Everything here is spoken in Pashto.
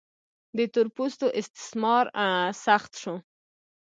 د تور پوستو استثمار سخت شو.